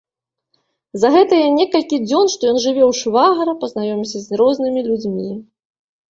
За гэтыя некалькі дзён, што ён жыве ў швагра, пазнаёміўся з рознымі людзьмі.